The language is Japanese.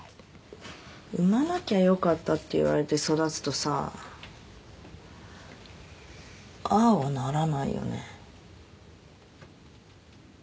「産まなきゃよかった」って言われて育つとさああはならないよね？